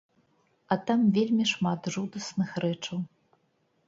А там вельмі шмат жудасных рэчаў.